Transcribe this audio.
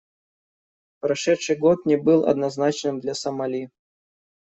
Прошедший год не был однозначным для Сомали.